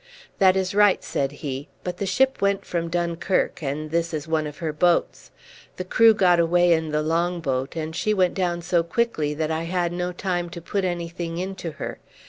"That is right," said he, "but the ship went from Dunkirk, and this is one of her boats. The crew got away in the long boat, and she went down so quickly that I had no time to put anything into her.